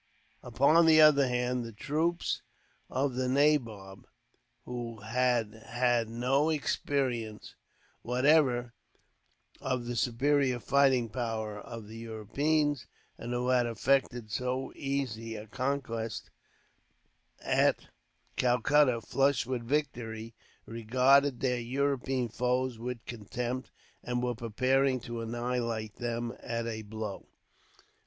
Upon the other hand the troops of the nabob, who had had no experience, whatever, of the superior fighting powers of the Europeans; and who had effected so easy a conquest at Calcutta, flushed with victory, regarded their European foes with contempt, and were preparing to annihilate them at a blow.